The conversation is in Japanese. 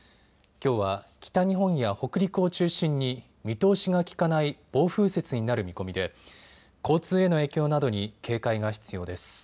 きょうは北日本や北陸を中心に見通しが利かない暴風雪になる見込みで交通への影響などに警戒が必要です。